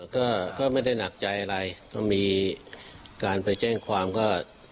ก็ก็ไม่ได้หนักใจอะไรก็มีการไปแจ้งความก็